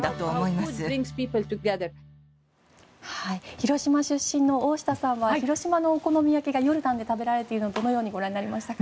広島出身の大下さんは広島のお好み焼きがヨルダンで食べられているのをどのようにご覧になりましたか？